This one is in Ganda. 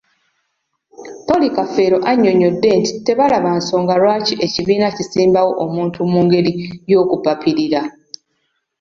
Polly Kafeero annyonnyodde nti tebalaba nsonga lwaki ekibiina kisimbawo omuntu mungeri y'okupapirira.